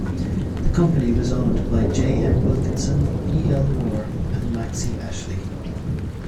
The company was owned by J. M. Wilkinson, E. L. Moore and Maxey Ashley.